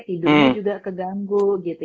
hidupnya juga keganggu gitu